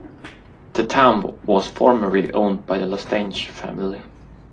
The town was formerly owned by the Lostanges family.